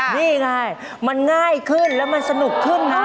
นี่ไงมันง่ายขึ้นแล้วมันสนุกขึ้นนะ